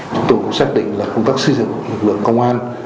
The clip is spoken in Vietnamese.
chúng tôi cũng xác định là công tác xây dựng lực lượng công an